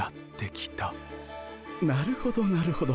なるほどなるほど。